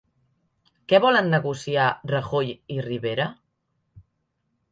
Què volen negociar Rajoy i Rivera?